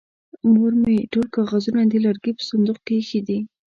مور مې ټول کاغذونه د لرګي په صندوق کې ايښې دي.